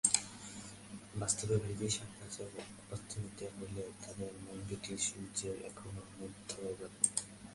বাস্তবে ব্রিটিশ সাম্রাজ্য অস্তমিত হলেও তাঁদের মনে ব্রিটিশ সূর্য এখনো মধ্যগগনে।